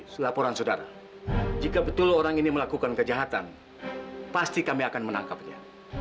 selaporan saudara jika betul orang ini melakukan kejahatan pasti kami akan menangkapnya